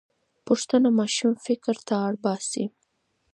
پوښتنه ماشوم فکر ته اړ باسي.